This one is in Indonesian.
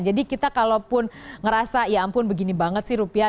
jadi kita kalau pun ngerasa ya ampun begini banget sih rupiah